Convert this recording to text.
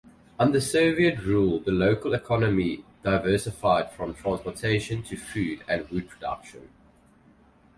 Under Soviet rule, the local economy diversified from transportation to food and wood production.